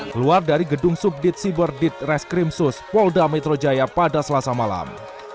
keluar dari gedung subdit siber ditreskrimsus polda metro jaya pada selasa malam